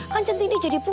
kan centini jadi perut